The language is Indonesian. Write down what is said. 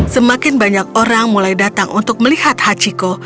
semakin banyak orang mulai datang untuk melihat hachiko